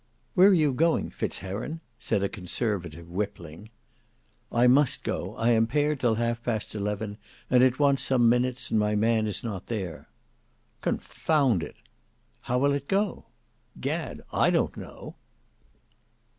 "Where are you going, Fitztheron?" said a Conservative whipling. "I must go; I am paired till half past eleven, and it wants some minutes, and my man is not here." "Confound it!" "How will it go?" "Gad, I don't know."